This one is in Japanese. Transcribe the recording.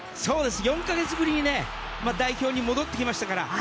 ４か月ぶりに代表に戻ってきましたから。